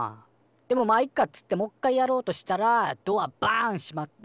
でもまいっかっつってもっかいやろうとしたらドアバン閉まって。